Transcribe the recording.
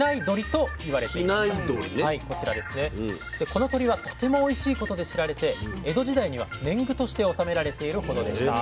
この鶏はとてもおいしいことで知られて江戸時代には年貢として納められているほどでした。